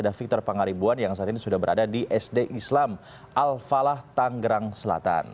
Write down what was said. ada victor pangaribuan yang saat ini sudah berada di sd islam al falah tanggerang selatan